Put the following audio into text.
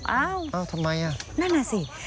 อ้าวทำไมอ่ะ